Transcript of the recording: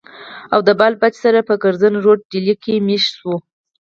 او د بال بچ سره پۀ کرزن روډ ډيلي کښې ميشته شو